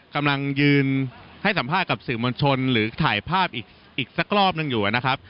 กำลังยืนให้สัมภาษณ์กับสื่อมวลชนหรือถ่ายภาพอีกสักรอบหนึ่งอยู่นะครับ